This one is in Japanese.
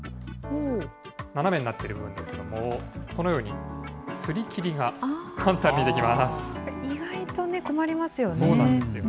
斜めになってる部分ですけれども、このようにすり切りが簡単にでき意外とね、困りますよね。